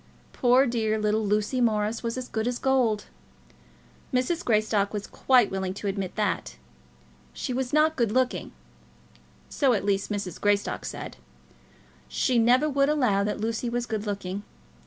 Poor dear little Lucy Morris was as good as gold. Mrs. Greystock was quite willing to admit that. She was not good looking; so at least Mrs. Greystock said. She never would allow that Lucy was good looking.